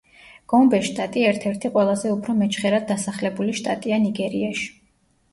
გომბეს შტატი ერთ-ერთი ყველაზე უფრო მეჩხერად დასახლებული შტატია ნიგერიაში.